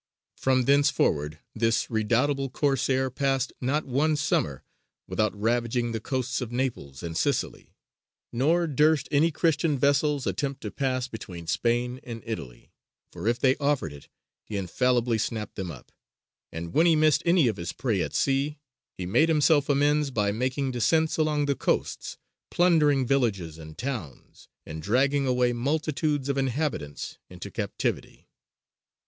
"From thenceforward this redoubtable Corsair passed not one summer without ravaging the coasts of Naples and Sicily: nor durst any Christian vessels attempt to pass between Spain and Italy; for if they offered it, he infallibly snapped them up: and when he missed any of his prey at sea, he made himself amends by making descents along the coasts, plundering villages and towns, and dragging away multitudes of inhabitants into captivity."